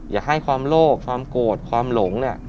อย่าให้ความโรคความโกรธความหลง